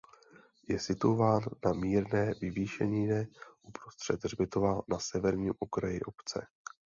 Je situován na mírné vyvýšenině uprostřed hřbitova na severním okraji obce.